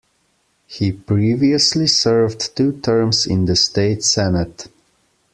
He previously served two terms in the state Senate.